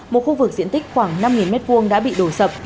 một khu vực diện tích khoảng năm m hai đã bị đổ sập